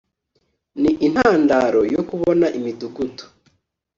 ni intandaro yo kubona imidugudu